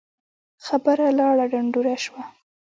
خبره لاړه ډنډوره سوه